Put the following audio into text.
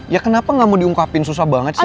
ya kenapa gak mau diungkapin susah banget sih